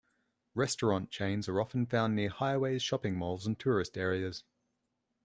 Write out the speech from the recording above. Restaurant chains are often found near highways, shopping malls and tourist areas.